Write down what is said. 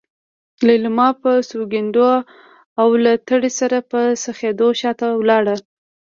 ليلما په سونګېدو او له تړې سره په څخېدو شاته لاړه.